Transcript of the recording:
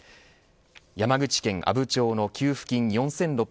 山口県阿武町の給付金４６３０万